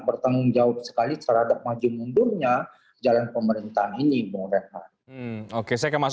bertanggung jawab sekali terhadap maju mundurnya jalan pemerintahan ini bung rehat oke saya ke mas